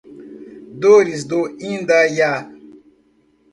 Dores do Indaiá